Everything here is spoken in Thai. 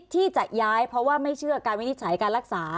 ที่จะย้ายเพราะว่าไม่เชื่อการวินิจฉัยการรักษา